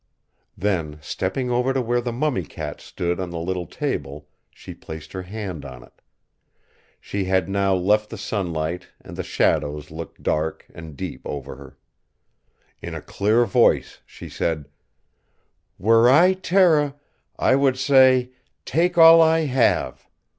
Then stepping over to where the mummy cat stood on the little table, she placed her hand on it. She had now left the sunlight, and the shadows looked dark and deep over her. In a clear voice she said: "Were I Tera, I would say 'Take all I have!